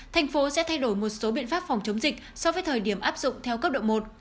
thành phố sẽ thay đổi một số biện pháp phòng chống dịch so với thời điểm áp dụng theo cấp độ một